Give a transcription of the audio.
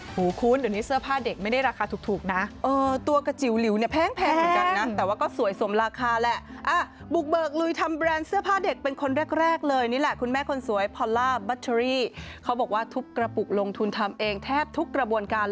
หูคุณเดี๋ยวนี้เสื้อผ้าเด็กไม่ได้ราคาถูกนะ